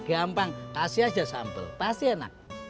gampang kasih aja sampel pasti enak